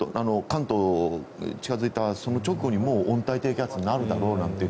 関東に近付いたその直後にもう温帯低気圧になるだろうなんて。